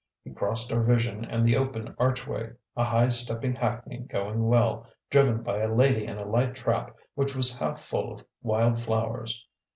He crossed our vision and the open archway: a high stepping hackney going well, driven by a lady in a light trap which was half full of wild flowers.